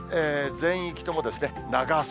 全域とも長袖。